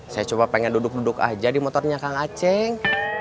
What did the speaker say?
saya cuma pengen duduk duduk aja di motornya kang aceh